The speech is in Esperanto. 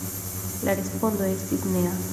La respondo estis nea.